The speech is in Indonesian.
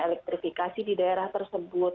elektrifikasi di daerah tersebut